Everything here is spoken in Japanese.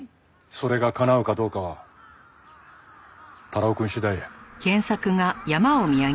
それが叶うかどうかは太郎くん次第や。